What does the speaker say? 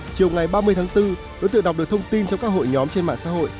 chiều ngày ba mươi tháng bốn đối tượng đọc được thông tin trong các hội nhóm trên mạng xã hội